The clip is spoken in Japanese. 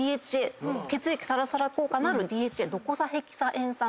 血液サラサラ効果のあるＤＨＡドコサヘキサエン酸が。